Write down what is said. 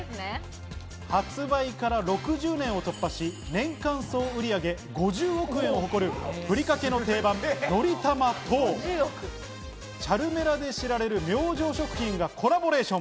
発売から６０年を突破し年間総売上５０億円を誇るふりかけの定番のりたまと、チャルメラで知られる明星食品がコラボレーション。